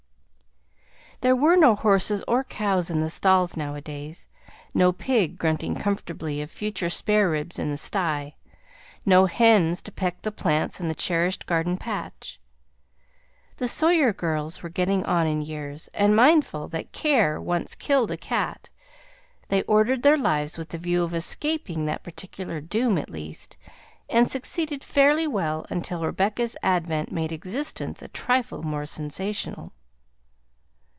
There were no horses or cows in the stalls nowadays; no pig grunting comfortably of future spare ribs in the sty; no hens to peck the plants in the cherished garden patch. The Sawyer girls were getting on in years, and, mindful that care once killed a cat, they ordered their lives with the view of escaping that particular doom, at least, and succeeded fairly well until Rebecca's advent made existence a trifle more sensational.